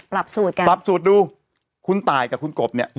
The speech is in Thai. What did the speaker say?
สูตรกันปรับสูตรดูคุณตายกับคุณกบเนี่ย